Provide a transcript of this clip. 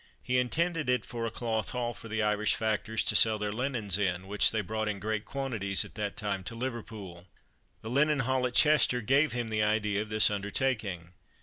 He intended it for a Cloth Hall for the Irish factors to sell their linens in, which they brought in great quantities at that time to Liverpool. The Linen Hall at Chester gave him the idea of this undertaking.